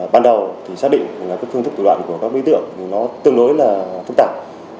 ban đầu xác định là phương thức tủ đoạn của các vị tượng tương đối phức tạp